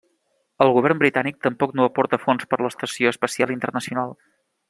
El govern britànic tampoc no aporta fons per a l'Estació Espacial Internacional.